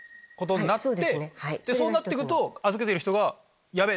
そうなってくと預けてる人がヤベェ！